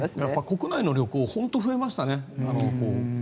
国内の旅行本当増えましたね。